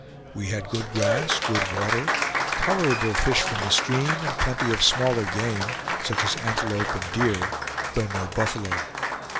We had good grass, good water, tolerable fish from the stream, and plenty of smaller game, such as antelope and deer, though no buffalo.